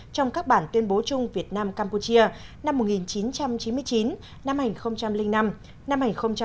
trong các bản tuyên bố chung việt nam campuchia năm một nghìn chín trăm chín mươi chín năm hai nghìn năm năm hai nghìn chín năm hai nghìn một mươi một